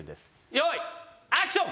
よいアクション！